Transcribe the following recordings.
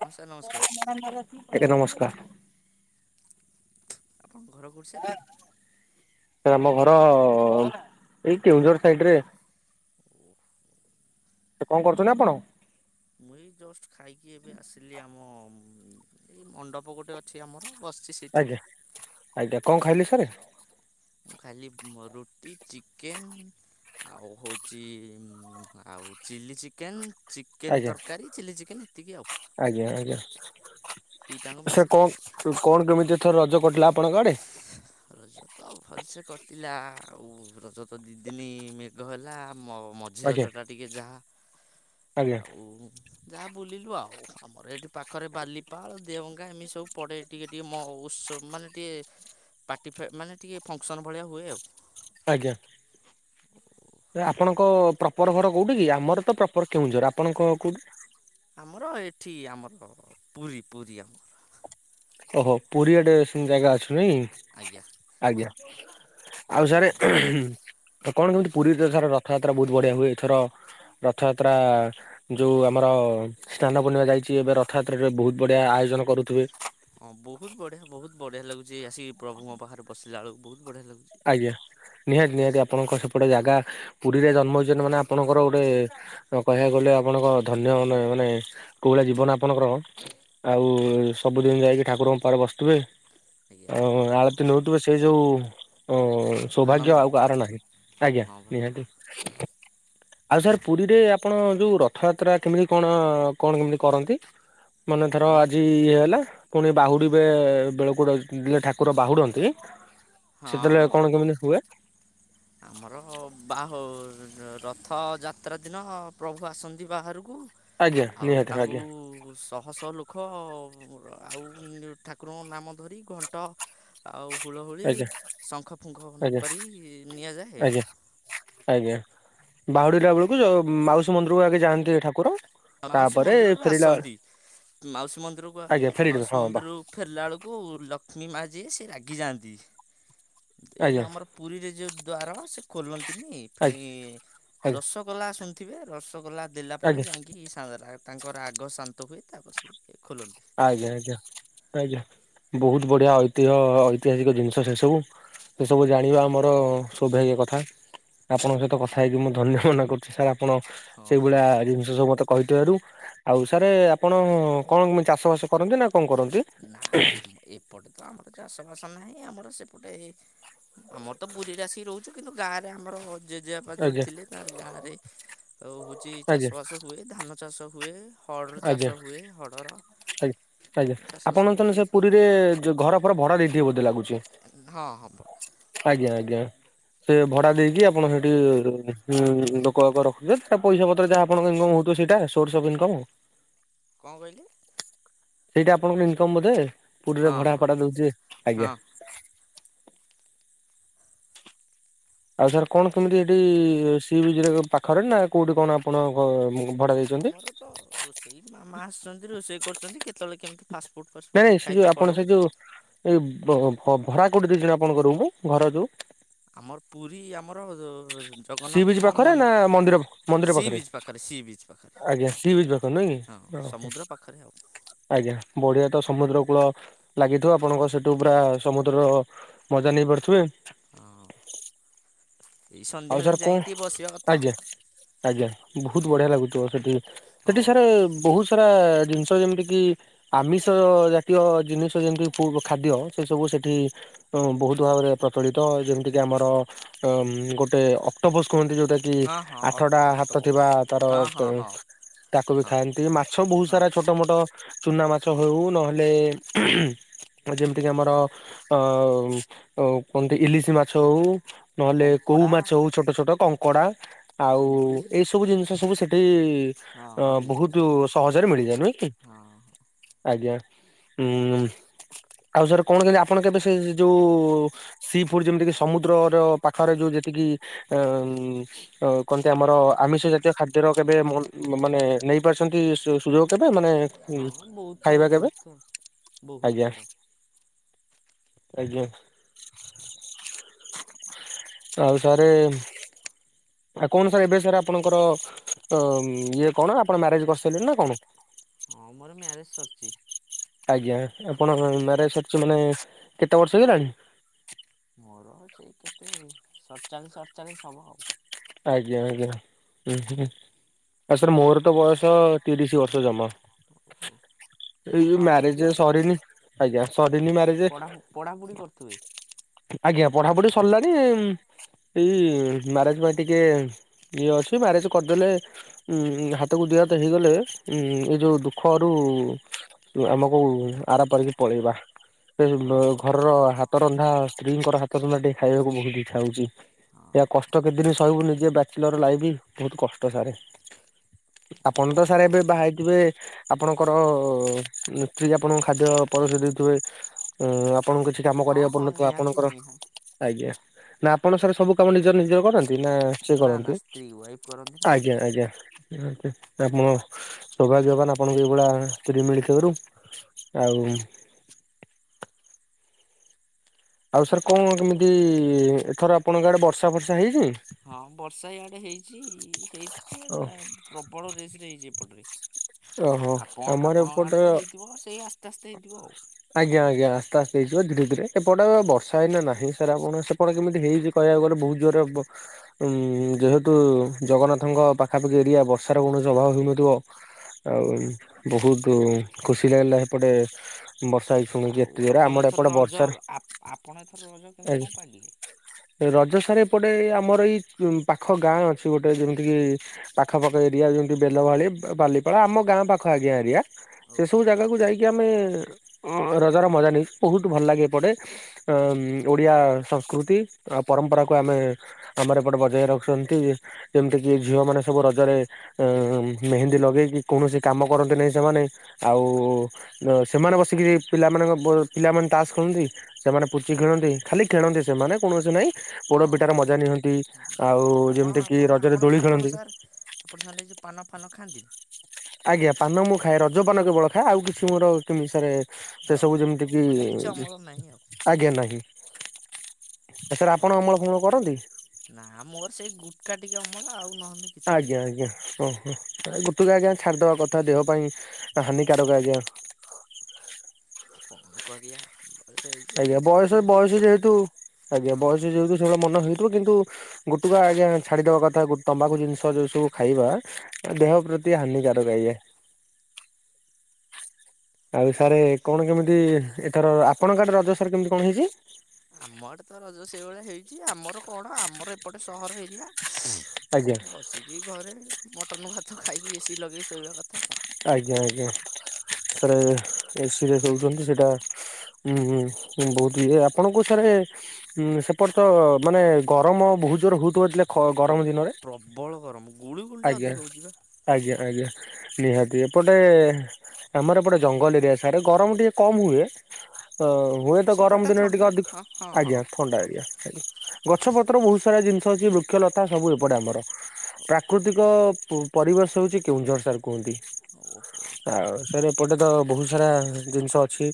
ହଁ ସାର୍ ନମସ୍କାର ନମସ୍କାର! ଆପଣଙ୍କ ଘର କୋଉଠି ସାର୍? ସା ଆମ ଘର ଏଇ କେଉଁଝର ସାଇଡରେ। ସେ କଣ କରୁଛନ୍ତି ଆପଣ? ମୁଁ ଏଇ ଯଷ୍ଟ ଖାଇକି ଏବେ ଆସିଲି, ଆମ ଏଇ ମଣ୍ଡପ ଗୋଟେ ଅଛି ଆମର ବସ୍ଚି ଆଜ୍ଞା-ଆଜ୍ଞା! କଣ ଖାଇଲେ ସାରେ? ମୁଁ ଖାଲି ରୁଟି, ଚିକେନ ଆଉ ହୋଉଛି, ଆଉ ଚିଲ୍ଲି ଚିକେନ୍। ଚିକେନ ଆଜ୍ଞା ତରକାରୀ, ଚିଲ୍ଲି ଚିକେନ୍ ଏତିକି ଆଉ। ଆଜ୍ଞା ଆଜ୍ଞା ଦିଇଟାଙ୍କୁ ସାର୍ ମିଶିକି କଣ ଖାଇଲି। କଣ କେମିତି, ଏଥର ରଜ କଟିଲା ଆପଣଙ୍କ ଆଡେ? ରଜ ତ ଭଲସେ କଟିଲା ଆଉ ରଜ ତ ଦିଇଦିନି ମେଘ ହେଲା ମ ମ। ଆଜ୍ଞା ମଝିରଜଟା ଟିକେ ଯାହା ଆଜ୍ଞା ଆଉ। ଯାହା ବୁଲିଲୁ ଆଉ ଆମର ଏଠି ପାଖରେ ବାଲିପାଳ ଦେଓଙ୍ଗା ଏମି ସବୁ ପଡେ। ଟିକେ ଟିକେ ମଉତ୍ସବ ମାନେ ଟିକିେ ପାର୍ଟି ମାନେ ଟିକେ ଫଙ୍କସନ୍ ଭଳିଆ ହୁଏ ଆଉ। ଆଜ୍ଞା। । [unintelligible] ଆପଣଙ୍କ ପ୍ରପର ଘର କୋଉଠି କି ଆମର ତ ପ୍ରପର କେଉଁଝର ଆପଣଙ୍କ କୋଉଠି। ଆମର ଏଠି ଆମର ପୁରୀ ପୁରୀ ଆମର। ଓହୋ ପୁରୀଆଡେ ସେମିତି ଜାଗା ଅଛି ନାଇଁ। ଆଜ୍ଞା। ଆଜ୍ଞା ଆଉ ସାରେ। କଣ କେମିତି ପୁରୀରେ ସାର ରଥଯାତ୍ରା ବହୁତ୍ ବଢିଆ ହୁଏ ଏଥର ରଥଯାତ୍ରା। ଯୋଉ ଆମର ସ୍ନାନପୂର୍ଣ୍ଣିମା ଯାଇଛି ଏବେ ରଥଯାତ୍ରାରେ ବହୁତ ବଢିଆ ଆୟୋଜନ କରୁଥିବେ। ହଁ ବହୁତ ବଢିଆ ବହୁତ ବଢିଆ ଲାଗୁଛି ଏ ଆସିକି ପ୍ରଭୁଙ୍କ ପାଖରେ ବସିଲା ବେଳକୁ ବହୁତ ବଢିଆ ଲାଗୁଛି। ଆଜ୍ଞା ନିହାତି ନିହାତି ସେ ଆପଣଙ୍କ ସେପଟେ ଜାଗା ପୁରୀରେ ଜନ୍ମ ହେଉଛନ୍ତି ମାନେ ଆପଣଙ୍କର ଗୋଟେ। କହିବାକୁ ଗଲେ ଆପଣଙ୍କ ଧନ୍ୟ ମାନେ ମାନେ କୋଉଳିଆ ଜୀବନ ଆପଣଙ୍କର। ଆଉ ହଉ ସବୁଦିନ ଯାଇକି ଠାକୁରଙ୍କ ପାଖରେ ବସୁ ଥିବେ ଆଜ୍ଞା ଆଉ ହଁ ଆଳତିୀ ନଉ। ସେଇ ଯଉ। ହ ସୌଭାଗ୍ୟ ଆନନ୍ଦ ଆଉ କାହାର ନାହିଁ ଆଜ୍ଞା ହଁ ବା ନିହାତି। ଆଉ ସାର୍ ପୁରୀରେ ଆପଣ ଯୋଉ ରଥଯାତ୍ରା କେମିତି କଣ କଣ କେମିତି କରନ୍ତି। ମାନେ ଧର ଆପଣ ଆଜି ଇଏ ହେଲା। ପୁଣି ବାହୁଡ଼ିବେ ଏ ବେଳକୁଡେ ଠାକୁର ବାହୁଡ଼ନ୍ତି। ହଁ ସେତେବେଳେ କଣ କେମିତି ହୁଏ। ଆମର ବାହୁ ରଥଯାତ୍ରା ଦିନ ପ୍ରଭୁ ଆସନ୍ତି ବାହାରକୁ। ଆଜ୍ଞା ଆଉ ନିହାତି ତାଙ୍କୁ ଆଜ୍ଞା ଶହ ଶହ ଲୋକ। ମୁଖ ଆଉ ଠାକୁରଙ୍କ ନାମ ଧରି ଘଣ୍ଟ। ଆଉ ହୁଳହୁଳି ଆଜ୍ଞା। ଶଙ୍ଖ ଫୁଙ୍ଖ ନ ଆଜ୍ଞା କରି। ନିଆଯାଏ ଆଜ୍ଞା। ଆଜ୍ଞା ବାହୁଡିଲା ବେଳକୁ ଯୋଉ ମାଉସୀ ମନ୍ଦିରକୁ ଆଗେ ଯାଆନ୍ତି ଠାକୁର। ମାଉସୀ ତାପରେ ମନ୍ଦିରରୁ ଫେରିଲା ଆସନ୍ତି ମାଉସୀ ମନ୍ଦିରକୁ ଆଜ୍ଞା ଫେରିଲେ ମାଉସୀ ହଁ ବା ମନ୍ଦିରରୁ। ଫେରିଲା ବେଳକୁ ଲକ୍ଷ୍ମୀ ମା ଯିଏ ସେ ରାଗିଯାଆନ୍ତି ଏଇ ଯୋଉ ଆଜ୍ଞା ଆମର। ପୁରୀରେ ଯୋଉ ଦ୍ଵାର ସେ ଖୋଲନ୍ତିନି ଫେଣି। ଆଜ୍ଞା ଆଜ୍ଞା ରସଗୋଲା ଶୁଣିଥିବେ ରସଗୋଲା ଦେଲା ପରେ ଆଜ୍ଞା ଯାଇଁକି। କି ତାଙ୍କର ରାଗ ଶାନ୍ତ ହୁଏ ତାପରେ ସେ ଖୋଲନ୍ତି। ଆଜ୍ଞା ଆଜ୍ଞା ଆଜ୍ଞା ବହୁତ୍ ବଢିଆ ଐତିହ ଐତିହାସିକ ଜିନିଷ ସେ ସବୁ। ସେ ସବୁ ଜାଣିବା ଆମର ସ୍ଵଭାଗ୍ୟ କଥା। ଆପଣଙ୍କ ହଁ ସହିତ କଥା ହେଇକି ମୁଁ ଧନ୍ୟ ମନେ କରୁଛି ସାର୍ ଆପଣ ହଁ। ସେଇଭଳିଆ ଜିନିଷ ସବୁ ମତେ। କହିଥିବାରୁ ଆଉ ସାରେ ଆପଣ କଣ ଚାଷ ବାସ କରନ୍ତି ନା କଣ କରନ୍ତି। ନା ଏପଟେ ତ ଆମର ଚାଷ ବାସ ନାହିଁ ଆମର ସେପଟେ। ଆମର ତ ପୁରୀରେ ଆସିିକି ରହୁଛୁ କିନ୍ତୁ ଗାଁରେ ଆମର। ଜେଜେବାପା ଯୋଉଠି ଆଜ୍ଞା ଥିଲେ ତାଙ୍କର ଗାଁରେ ହଉଛି ଚାଷ ଆଜ୍ଞା ବାସ ହୁଏ ଧାନ ଚାଷ ହୁଏ। ହଡ଼୍ର ଆଜ୍ଞା। ଚାଷ ହୁଏ ହଡ଼ର। ଆଜ୍ଞା ଆଜ୍ଞା ଚାଷ ଆପଣ ସବୁ ତନ ହୁଏ ସେ ପୁରୀରେ ଯ ଘର ଫର ଭଡା ଦେଇଥିବେ ବୋଧେ ଲାଗୁଛି। ହଁ ହବ। ଆଜ୍ଞା ଆଜ୍ଞା। ସେ ଭଡା ଦେଇକି ଆପଣ ସେଠି ଲୋକ ରଖୁଥିବେ ତା ପଇସା ପତ୍ର ଯାହା ଆପଣଙ୍କ ଇନକମ ହଉ ସେଇଟା ସୋର୍ସ ଅଫ୍ ଇନକମ୍। କଣ କହିଲେ? ସେଇଟା ଆପଣଙ୍କୁ ଇନକମ ବୋଧେ ପୁରୀରେ ହଁ ଭଡା ହଁ ଫଡା ଦଉଥିବେ ଆଜ୍ଞା। ହଁ ଆଉ ସାର୍ କଣ କେମିତି ଏଠି ସି ବିଜ ପାଖରେ ନା କୋଉଠି କଣ ଆପଣଙ୍କ ନା ଆମର ତ ରୋଷେଇ ମାମା ଆସୁଛନ୍ତି ରୋଷେଇ କରୁଛନ୍ତି କେତେ ବେଳେ କେମତି ଫାଷ୍ଟଫୁଡ଼ ନାଇଁ ଫାଷ୍ଟଫୁଡ ନାଇଁ ଟିକେ ସେ ଯୋଉ ଖାଇତେ ଆପଣ ପଳଉ। ସେ ଯୋଉ ଏଇ ଭରା କୋଉଠି ଦିଇ ଜଣ ଆପଣ କରୁ ଘର ଯୋଉ। ଆମର ପୁରୀ ଆମର ର ସି ବିଜ ପାଖରେ ନା ମନ୍ଦିର ମନ୍ଦିର ସି ପାଖରେ ବିଚ୍ ସି ବିଚ୍ ପାଖରେ ଆଜ୍ଞା ସ ବି ପାଖ ରେ ନାଇ ହଁ କି ଓହୋ। ସମୁଦ୍ର ପାଖରେ ଆଉ ଆଜ୍ଞା ବଢିଆ ତ ସମୁଦ୍ର କୂଳ ଲାଗିଥିବ ଆପଣଙ୍କ ସେଠୁ ପୁରା ସମୁଦ୍ରର ମଜା ନେଇ ପାରୁଥିବେ। ହଁ ଏଇ ଆଉ ସନ୍ଧ୍ୟାବେଳେ ସାର୍ କଣ ଯାଇକି ଟିକେ ବସିବା କଥା। ଆଜ୍ଞା ଆଜ୍ଞା ବହୁତ ବଢିଆ ଲାଗୁଥିବ ସେଠି, ସେଠି ହଁ ସାର୍ ବହୁତ ସାରା ଜିନିଷ ଯେମିତି କିି ଆମିଷ ଜାତୀୟ ଜିନିଷ ଯେମିତି [inaudible] ଖାଦ୍ୟ ସେ ସବୁ ସେଠି ବହୁତ ଭାବରେ ପ୍ରଚଳିତ, ଯେମିତି କିି ଆମର ଅ ଗୋଟେ ଅକ୍ଟୋପସ କୁହନ୍ତି ଯୋଉଟା କି କି ହଁ ହଁ ଆଠଟା ହାତ ଅକ୍ଟୋପକ୍ସ ଥିବା ତାର ହଁ ହଁ ହଁ ତାକୁ ବି ହଁ ଖାଆନ୍ତି ମାଛ ବହୁତ ହଁ ସାରା ଛୋଟ ଛୋଟ ମୋଟ ଚୁନା ମାଛ ହଉ ନହେଲେ ଉହୁ ଯେମିତିକି ଆମର ଅ କୁହନ୍ତି ଇଲିଶି ମାଛ ହଉ ନହେଲେ କୋଉ କଙ୍କଡ଼ା ମାଛ ହଉ ଛୋଟ ଛୋଟ କଙ୍କଡା ଆଉ ଚିଙ୍ଗୁଡ଼ି ଏଇ ସବୁ ଜିନିଷ ସବୁ ସେଠି ହଁ ଅ ମିଳେ ବହୁତ ମିଳେ ସହଜରେ ମିଳିଯାଏ ନୁହେଁ କି? ହଁ ଆଜ୍ଞା ଉଁ ଆଉ ସାର କଣ କେମିତି ଆପଣ କେବେ ସେ ଯୋଉ ସି ଫୁଡ୍ ଯେମିତି କିି ସମୁଦ୍ର ର ପାଖରେ ଯୋଉ ଯେତିକି ଅ ଅ କନ୍ତି ଆମର ଆମିଷ ଜାତୀୟ ଖାଦ୍ୟର କେବେ ମନ୍ ମାନେ ନେଇ ପାରିଛନ୍ତି ସୁଯୋଗ କେବେ, ମାନେ ହଁ ବହୁତ ଥର ଖାଇବା କେବେ ବହୁତ ଥର ବହୁତ ଆଜ୍ଞା। ଥର ଆଜ୍ଞା। ଆଉ ସାରେ ଆଉ କଣ ସାର୍ ଏବେ ସାର୍ ଆପଣଙ୍କର ଇଏ କଣ ଆପଣ ମ୍ୟାରେଜ କରିସାରିଲେ ନା କଣ? ହଁ ମୋର ମ୍ୟାରେଜ ସରିଛି। ଆଜ୍ଞା ଆପଣ ମ୍ୟାରେଜ ସରିଛି ମାନେ କେତେ ବର୍ଷ ହେଇଗଲାଣି? ମୋର ସେଇ କେତେ ସତଚାଳିଶ ଅଠଚାଳିଶ ହବ। ଆଜ୍ଞା ଆଜ୍ଞା ଉଁ ହୁ। ଆ ସାର୍ ମୋର ତ ବୟସ ତିରିଶ ବର୍ଷ ଜମା। ଓ ହୋ। ଏଇ ଯୋଉ ମ୍ୟାରଜ ସରିନି, ଆଜ୍ଞା ସରି ନି ମ୍ୟାରଜ ପଢ଼ା ପଢ଼ାପଢ଼ି କରୁଥିବେ ଆଜ୍ଞା ପଢାପଢି ସରିଲାଣି ଏଇ ମ୍ୟାରେଜ ପାଇଁ ଟିକେ ଇଏ ଅଛି, ମ୍ୟାରେଜ କରଦେଲେ ଉଁ ହାତକୁ ଦି ହାତ ହେଇଗଲେ ଉ ଏଇ ଯୋଉ ଦୁଃଖରୁ ଆମକୁ ଆର ପାରିକି ପଳେଇବା। ହଁ ଘରର ହାତ ରନ୍ଧା ସ୍ତ୍ରୀଙ୍କର ହାତ ରନ୍ଧା ଟିକେ ଖାଇବାକୁ ବହୁତ ଇଚ୍ଛା ହଉଛି। ଏହା ହଁ କଷ୍ଟ କେତେଦିନ ସିବୁ ନିଜେ ବ୍ୟାଚିଲର ଲାଇଫ୍, ବହୁତ କଷ୍ଟ ସାରେ। ଆପଣ ତ ସାର୍ ଓହୋ ଏବେ ବାହା ଥିବେ ଆପଣଙ୍କର ସ୍ତ୍ରୀ ଆପଣଙ୍କୁ ଖାଦ୍ୟ ପରଶି ଦେଉଥିବେ। ଉଁ ଆପଣଙ୍କୁ କିଛି କାମ ହଁ କରିବାକୁ ହଁ ପଡୁନଥିବ ନିହାତି ଆପଣଙ୍କର, ନିହାତି ଆଜ୍ଞା ନା ଆପଣ ସାର ସବୁ କାମ ନିଜେ ନିଜେ ନିଜର କରନ୍ତି ନା ସିଏ ନା ନା କରନ୍ତି, ସ୍ତ୍ରୀ ୱାଇଫ୍ କରନ୍ତି ନା ଆଜ୍ଞା ଆଜ୍ଞା ଆଛ, ଆପଣ ଯବା ଯବାନ ଆପଣଙ୍କୁ ଏଇଭଳିଆ ସ୍ତ୍ରୀ ମିଳିଥିବାରୁ ଆଉ ଆଉ ସାର୍ କଣ କେମିତି ଏଥର ଆପଣଙ୍କ ଆଡ଼େ ବର୍ଷା ଫର୍ଷା ହେଇଛି? ହଁ ବର୍ଷା ଇଆଡେ ହେଇଛି, ଓ ହେଇଥିଲା ପ୍ରବଳ ରେସରେ ହେଇଛି ଏପଟରେ। ଓହୋ ଆପଣ ଆମର ଆପଣଙ୍କ ଏପଟେ ଆଡେ ତ ହେଇଥିବ ସେଇ ଆସ୍ତେ ଆସ୍ତେ ହେଇଥିବ ଆଉ। ଆଜ୍ଞା ଆଜ୍ଞା ଆସ୍ତେ ଆସ୍ତେ ହେଇଥିବ ଧୀରେ ଧୀରେ, ଏପଟ ବର୍ଷା ଏଇନା ନାହିଁ, ସାର୍ ଆପଣ ସେପଟ କେମିତି ହେଇଚି କହିବାକୁ ଗଲେ ବହୁତ ଜୋରରେ ବ ଉଁ ଯେହେତୁ ଜଗନ୍ନାଥଙ୍କ ପାଖାପାଖି ଏରିଆ ବର୍ଷାର କୌଣସି ଅଭାବ ହେଉନଥିବ। ଆଉ ବହୁତୁ ଖୁସି ଲାଗିଲା ସେପଟେ ବର୍ଷା ହେଇିଛି ଶୁଣିକି ଆଉ ଏତେ ଜୋରେ ଆପଣ ଆମର ଏଥର ଏପଟେ ରଜ ବର୍ଷାର ଆପଣ ଏଥର ରଜ କେମିତି କଣ ଆଜ୍ଞା ପାଳିଲେ? ରଜ ସାରେ ଏପଟେ ଆମର ଏଇ ପାଖ ଗାଁ ଅଛି ଗୋଟେ ଯେମିତି କିି ପାଖପାଖ ଏରିଆ ଯମତି ବେଲ ଭାଳି, ବାଲି ହେରା ଆମ ଗାଁ ପାଖ ଆଜ୍ଞା ଏରିଆ, ସେ ସବୁ ଓହୋ। ଜାଗାକୁ ଯାଇକି କି ଆମେ ରଜର ମଜା ନେଇଛୁ ବହୁତ ଭଲ ଲାଗେ ଏପଟେ ଅ ଓଡିଆ ସଂସ୍କୃତି ଆ ପରମ୍ପରାକୁୁ ଆମେ ଆମର ଏପଟେ ବଯାୟି ରଖୁଛନ୍ତି। ଯେମିତି କିି ଝିଅ ମାନେ ସବୁ ରଜରେ ଅ ମେହେନ୍ଦୀ ଲଗେଇକି କୌଣସି କାମ କରନ୍ତି ନାହିଁ ସେମାନେ ଆଉ ସେମାନେ ବସିକିରି ପିଲାମାନଙ୍କ ବ ପିଲାମାନେ ତାସ ଖେଳନ୍ତି। ସେମାନେ ପୁଚି ଖେଳନ୍ତି ଖାଲି ଖେଣନ୍ତି ସେମାନେ କୌଣସି ନାଇଁ ପୋଡ ହଁ ପିଠାର ମଜା ନିଅନ୍ତି ଆଉ ଆପଣ ଯେମିତି କିି ଆପଣ ରଜରେ ଆପଣ ଦୋଳି ଆପଣ ଖେଳନ୍ତି। ସାର୍ ଆପଣ ସେମାନେ କି ପାନ ଫାନ ଖାଆନ୍ତି ନା? ଆଜ୍ଞା ପାନ ମୁଁ ଖାଏ ରଜ ପାନ କେବଳ ଖାଏ ଆଉ କିଛି ମୋର କେମିତି ସରେ ସେ ସବୁ ଓହୋ ହଉ ଯେମିତିକି ମାନେ କିଛି ଅମଳ ନାହିଁ ଆଉ ଆଜ୍ଞା ନାହିଁ ଆ ସାର୍ ଭଲ ଆପଣ ଅମଳ ଫମଳ କରନ୍ତି? ନା ମୋର ସେଇ ଗୁଟକା ଟିକେ ଅମଳ ଆଉ ନହେଲେ କିଛି ନାଇ। ଆଜ୍ଞା ଆଜ୍ଞା ହଁ ହ ଗୋଟୁକ ଆଜ୍ଞା ଛାଡ଼ିଦେବା କଥା ଦେହ ପାଇଁ ହାନିକାରକ ଆଜ୍ଞା। କଣ କରିଆ? ଆଜ୍ଞା ବୟସ ବୟସ ଯେହେତୁ ଆଜ୍ଞା ହଁ। ବୟସ ଯେହେତୁ ସେଗୁଡା ମନ ହୁଏ [unintelligible] କିନ୍ତୁ ଗୋଟୁକା ଆଜ୍ଞା ଛାଡିଦବା କଥା ତମ୍ବାଖୁ ଜିନିଷ ଯୋଉ ସବୁ ଖାଇବା ଦେହ ପ୍ରତି ହାନିକାରକ ଆଜ୍ଞା। ଆଉ ସାରେ କଣ କେମିତି ଏଥର ଆପଣଙ୍କ ଆଡେ ରଜ ସାର୍ କେମିତି କଣ ହେଇଛି? ଆମ ଆଡେ ତ ରଜ ସେଇଭଳିଆ ହେଇଚି ଆମର କଣ ଆମର ଏପଟେ ସହର ଏରିଆ। ଆଜ୍ଞା ବସିକି ଘରେ ମଟନ ଭାତ ଖାଇକି ଏସିି ଲଗେଇ ଶୋଇବା କଥା କଣ। ଆଜ୍ଞା ଆଜ୍ଞା ସେରେ ଏ ସିରେ ହେଉଛନ୍ତି ସେଇଟା ହୁଁ ହୁଁ ବହୁତ ଇଏ ଆପଣଙ୍କୁ ସାରେ ହୁଁ ସେପଟେ ତ ମାନେ ଗରମ ବହୁତ ଜୋର ହଉଥିବ ଲା ପ୍ର ପ୍ରବଳ ଗରମ ଗୁଳୁ ଗୁଳିଟା ଆଜ୍ଞା ଅଧିକ ହେଉଛି ବା। ଆଜ୍ଞା ଆଜ୍ଞା ନିହାତି ଏପଟେ ଆମର ଏପଟେ ଜଙ୍ଗଲ ଏରିଆ ସାଡେ ଗରମ ଟିକେ କମ୍ ହୁଏ। ଅ ହୁଏତ ଗରମ ସେପଟଟା ଦିନରେ ଟିକେ ଥଣ୍ଡା ଅଧିକ, ହଁ ହଁ ଆଜ୍ଞା ହଁ ଥଣ୍ଡା ଆଜ୍ଞା। ଗଛ ପତ୍ର ବହୁତ ସାରା ଜିନିଷ ଅଛି ବୃକ୍ଷ ଲତା ସବୁ ଏପଟେ ଆମର। ଓହୋ ପ୍ରାକୃତିକ ପରିବେଶ ହଉଛି କେଉଁଝର ସାର୍ କୁହନ୍ତି। ଓହୋ ଆଉ ସାର୍ ଏପଟେ ତ ବହୁତ ସାରା ଜିନିଷ ଅଛି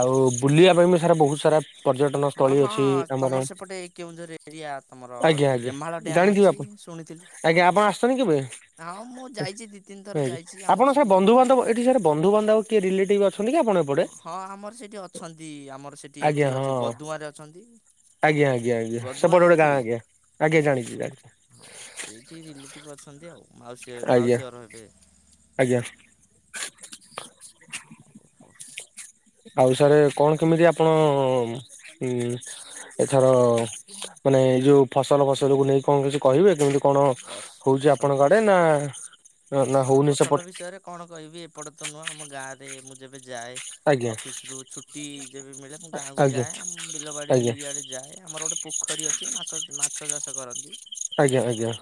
ଆଉ ବୁଲିବା ପାଇଁ ବି ସାର ବହୁତ ସାରା ପର୍ଯ୍ୟଟନ ହଁ ସ୍ଥଳୀ ହଁ ଅଛି ତମର ଆମର ସେପଟେ କେଉଁଝର ଏରିଆ ତମର ଆଜ୍ଞା ଆଜ୍ଞା ରେମାଳ ଡ୍ୟାମ୍ ଜାଣିଥିବେ ଅଛି ଆପଣ। ଶୁଣିଥିଲି। ଆଜ୍ଞା ହଁ ଆପଣ ଆସିଛନ୍ତିି କେବେ? ହଁ ମୁଁ ଯାଇଛି ଦି ଏଇଠି ଆପଣ ସାର୍ ବନ୍ଧୁବାନ୍ଧବ ଏଠି ସାର୍ ବନ୍ଧୁବାନ୍ଧବ କିଏ ରିଲେଟିଭ ଅଛନ୍ତି କି ଆପଣ ଏପଟେ? ହଁ ହଁ ଆମର ସେଠି ଅଛନ୍ତି ଆମର ସେଇଠି ଆଜ୍ଞା ଏଠି ଅଛି ହଁ ଗଦୁଆଁରେ ଅଛନ୍ତି। ଆଜ୍ଞା ଆଜ୍ଞା ଆଜ୍ଞା ଗଦୁଆଁ ସେପଟେ ଗୋଟେ ଗାଁ ଜାଣିଥିବେ? ଆଜ୍ଞା ଆଜ୍ଞା ଜାଣିଛି ଜାଣିଛି। ହଁ ସେଇଠି ରିଲେଟିଭ ଅଛନ୍ତି ଆଉ ମାଉସୀ ଆଜ୍ଞା ମାଉସୀ ଘର ହେବେ। ଆଜ୍ଞା। ଆଉ ସାରେ କଣ କେମିତି ଆପଣ ଉଁ ଏଥର ମାନେ ଏଇ ଯୋଉ ଫସଲ ଫସଲକୁୁ ନେଇ କଣ କିଛି କହିବେ କେମିତି କଣ ପସ ହଉଛି ଫସଲ ଆପଣଙ୍କ ଫସ ଆଡେ ନା ନା ଫସଲ ହଉନି ଫସଲ ସେପଟ୍ ବିଷୟରେ କଣ କହିବି ଏପଟେ ତ ନୂଆଁ ଆମ ଗାଁ ରେ ମୁଁ ଯେବେ ଯାଏ ଆଜ୍ଞା ଅଫିସ ରୁ ଛୁଟି ଯେବେ ମିଳେ ମୁଁ ଗାଁକୁ ଆଜ୍ଞା ଯାଏ ଆମ ବିଲବାଡି ଆଜ୍ଞା ଇଡେ ଯାଏ ଆମର ଗୋଟେ ପୋଖରୀ ଅଛି ମାଛ ମାଛ ଚାଷ କରନ୍ତି। ଆଜ୍ଞା ଆଜ୍ଞା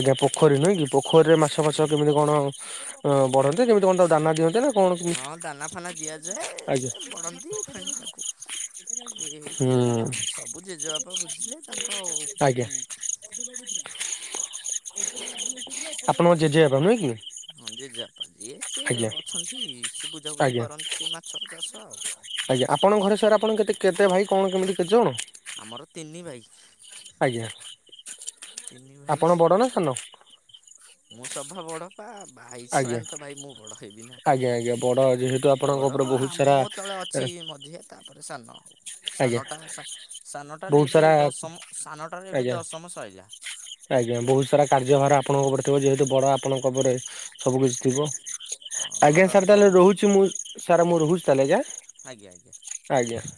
ଆଜ୍ଞା ପୋଖରୀ ନୁହେଁ କି ପୋଖରୀରେ ମାଛ ଫାଛ ଆଜ୍ଞା। କେମିତି କଣ ଅ ବଢନ୍ତି କେମତି କଣ ତାକୁ ଦାନା ଦିଅନ୍ତି ନା। କଣ କେମିତି? ହଁ ଦାନା ଫାନା ଦିଆଯାଏ ଆଜ୍ଞା ସେ ବଢନ୍ତି ଫେଣି ତାକୁ ଇଏ ହେଇକି ହୁଁ ଏଇଟା ସବୁ ଜେଜେବାପା ବୁଝିଲେ ତାଙ୍କ ଉଁ ଝ [inaudible] ଆପଣଙ୍କ ଜେଜେ ବାପା ନୁହେଁ କି? ହଁ ଜେଜେ ବାପା ଇଏ ସିଏ ଆଜ୍ଞା ଅଛନ୍ତି ସେ ବୁଝାବୁଝି ଆଜ୍ଞା କରନ୍ତି ସେ ମାଛ ଚାଷ ଆଉ। ଆଜ୍ଞା ଆପଣଙ୍କ ଘରେ ସାର୍ ଆପଣ କେତେ କେତେ ଭାଇ କଣ କେମିତି କେତେ ଜଣ। ଆମର ତିନି ଭାଇ। ଆଜ୍ଞା ତିନି ଭାଇ ଆପଣ ବଡ ନା ସାନ? ମୁଁ ସଭା ବଡ଼। ପା ଭାଇ ଆଜ୍ଞା ଛୁଆନ୍ତ ତ ଭାଇ ମୁଁ ବଡ ହେବି ନା ଆଜ୍ଞା ଆଜ୍ଞା ବଡ ଯେହେତୁ ଆପଣଙ୍କ ବଡ ଉପରେ ଆ ବହୁତ ସାରା ମୋ ତଳ ଅଛି ମଝିଆ ତାପରେ ସାନ ଆଉ। ଆଜ୍ଞା ସାନଟା ସା ସାନଟାରେ ବହୁତ ଏବେ ସାରା ଦଶମ ସାନଟାରେ ଏବେ ଆଜ୍ଞା ଦଶମ ସଇଲା। ଆଜ୍ଞା ବହୁତ ସାରା କାର୍ଯ୍ୟଭାରା ଆପଣଙ୍କ ଉପରେ ଥିବ ଯେହେତୁ ବଡ଼ ଆପଣଙ୍କ ଉପରେ ସବୁ କିିଛି ଥିବ। ହଁ ଆଜ୍ଞା ଘରର ସାର୍ ତାହେଲେ ସବୁ ରହୁଛି ମୁଁ ସାର୍ ମୁଁ ରହୁଛି ତାହେଲେ ଆଜ୍ଞା ଆଜ୍ଞା।